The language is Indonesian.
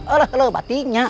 alah alah batinya